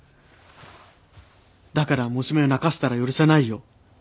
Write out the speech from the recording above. だから娘を泣かしたら許さないよ。